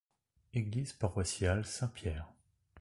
Église paroissiale Saint-Pierre.